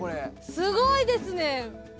すごいですね！